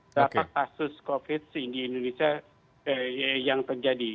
dapat kasus covid sembilan belas di indonesia yang terjadi